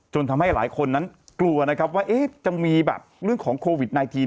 จนทำให้หลายคนนั้นกลัวว่าจะมีเรื่องของโควิด๑๙